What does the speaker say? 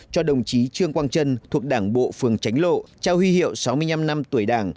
cho đồng chí trương quang trân thuộc đảng bộ phường tránh lộ trao huy hiệu sáu mươi năm năm tuổi đảng